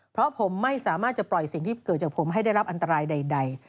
เพราะผมไม่สามารถจะปล่อยสิ่งที่เกิดจากผมให้ได้รับอันตรายใด